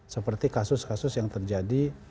seperti kasus kasus yang terjadi